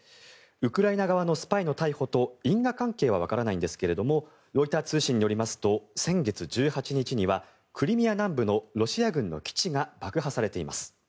ウクライナ側のスパイの逮捕と因果関係はわからないんですがロイター通信によりますと先月１８日にはクリミア南部のロシア軍の基地が爆破されています。